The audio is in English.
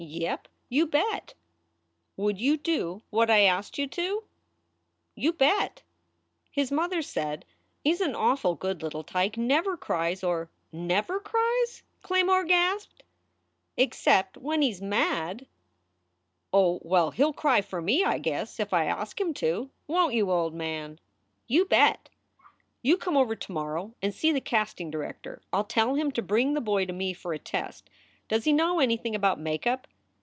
"Yep; you bet." "Would you do what I asked you to?" "You bet." His mother said, "He s an awful good little tike never cries or " "Never cries?" Claymore gasped. "Except when he s mad." "Oh! Well, he ll cry for me, I guess, if I ask him to. Won t you, old man?" "You bet." "You come over to morrow and see the casting director. I ll tell him to bring the boy to me, for a test. Does he know anything about make up?"